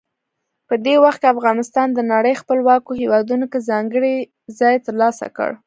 په دې وخت کې افغانستان د نړۍ خپلواکو هیوادونو کې ځانګړی ځای ترلاسه کړ.